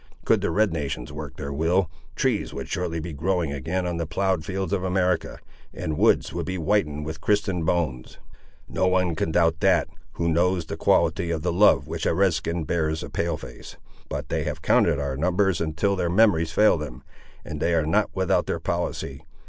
Could the red nations work their will, trees would shortly be growing again on the ploughed fields of America, and woods would be whitened with Christian bones. No one can doubt that, who knows the quality of the love which a Red skin bears a Pale face; but they have counted our numbers until their memories fail them, and they are not without their policy.